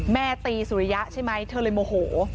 แม่ตีสุริยะใช่ไหมเธอเลยโมโห